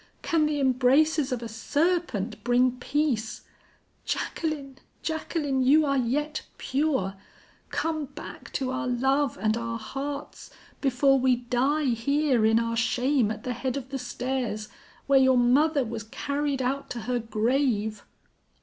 Can the embraces of a serpent bring peace? Jacqueline, Jacqueline, you are yet pure; come back to our love and our hearts, before we die here in our shame at the head of the stairs, where your mother was carried out to her grave!'